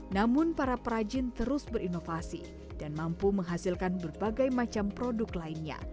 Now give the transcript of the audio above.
namun para perajin terus berinovasi dan mampu menghasilkan berbagai macam produk lainnya